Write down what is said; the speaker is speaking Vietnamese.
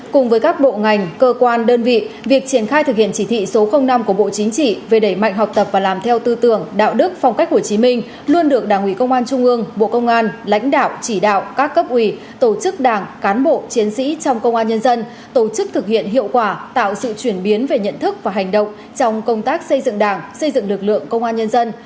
cùng với các bộ ngành cơ quan đơn vị việc triển khai thực hiện chỉ thị số năm của bộ chính trị về đẩy mạnh học tập và làm theo tư tưởng đạo đức phong cách của chí minh luôn được đảng ủy công an trung ương bộ công an lãnh đạo chỉ đạo các cấp ủy tổ chức đảng cán bộ chiến sĩ trong công an nhân dân tổ chức thực hiện hiệu quả tạo sự chuyển biến về nhận thức và hành động trong công tác xây dựng đảng xây dựng lực lượng công an nhân dân